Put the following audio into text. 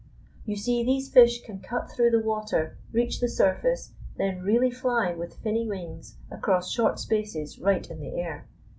You see, these fish can cut through the water, reach the surface, then really fly with finny wings across short spaces right in the air.